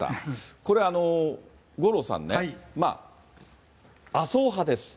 これ、五郎さんね、麻生派です。